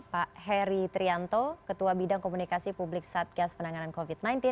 pak heri trianto ketua bidang komunikasi publik satgas penanganan covid sembilan belas